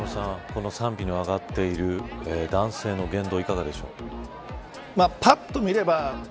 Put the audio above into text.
この賛否のあがっている男性の言動いかがでしょう。